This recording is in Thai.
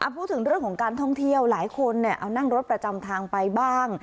พูดถึงเรื่องของการท่องเที่ยวหลายคนเอานั่งรถประจำทางไปบ้าง